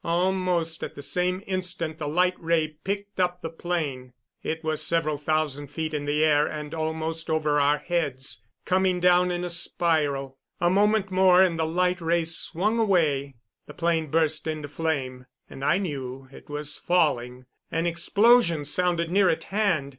Almost at the same instant the light ray picked up the plane. It was several thousand feet in the air and almost over our heads, coming down in a spiral. A moment more and the light ray swung away. The plane burst into flame, and I knew it was falling. An explosion sounded near at hand.